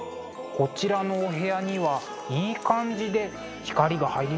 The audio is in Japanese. こちらのお部屋にはいい感じで光が入りますね。